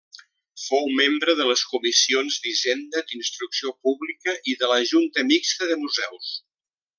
Fou membre de les comissions d'Hisenda, d'Instrucció Pública i de la Junta Mixta de Museus.